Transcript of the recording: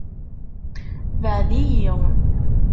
Beɛɛed-iyi!